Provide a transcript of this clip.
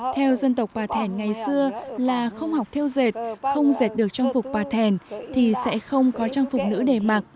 theo dân tộc bà thẻn ngày xưa là không học theo dệt không dệt được trang phục bà thèn thì sẽ không có trang phục nữ để mặc